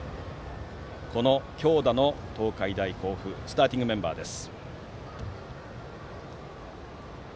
この強打の東海大甲府スターティングメンバーです。